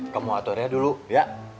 kamu aturnya dulu ya